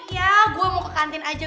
ya gue mau ke kantin aja